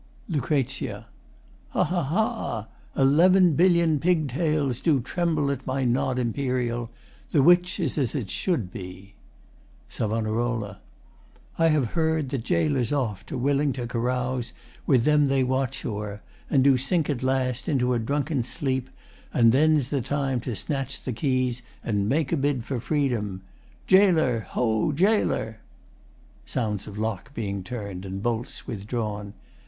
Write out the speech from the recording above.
LUC. Ha, ha, ha, ha! Eleven billion pig tails Do tremble at my nod imperial, The which is as it should be. SAV. I have heard That gaolers oft are willing to carouse With them they watch o'er, and do sink at last Into a drunken sleep, and then's the time To snatch the keys and make a bid for freedom. Gaoler! Ho, Gaoler! [Sounds of lock being turned and bolts withdrawn.